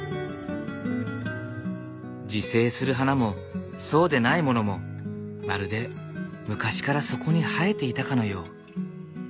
自生する花もそうでないものもまるで昔からそこに生えていたかのよう。